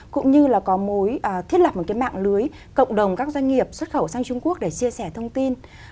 cũng như là có mối thiết lập một cái mạng lưới cộng đồng các doanh nghiệp xuất khẩu sang trung quốc để chia sẻ thông tin